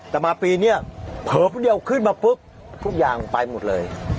แต่มาปีนี้เผลอผู้เดียวขึ้นมาปุ๊บทุกอย่างไปหมดเลย